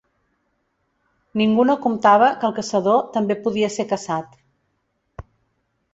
Ningú no comptava que el caçador també podia ser caçat.